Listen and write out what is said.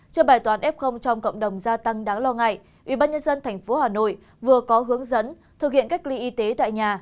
trước bài toán f trong cộng đồng gia tăng đáng lo ngại ubnd tp hà nội vừa có hướng dẫn thực hiện cách ly y tế tại nhà